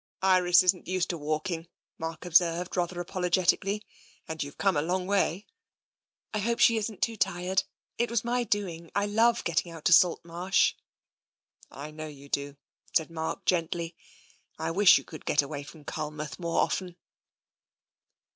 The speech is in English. " Iris isn't used to walking," Mark observed rather apologetically, "and you've come a long way." " I hope she isn't too tired. It was my doing; I love getting out to Salt Marsh." " I know you do," said Mark gently. " I wish you could get away from Culmouth more often."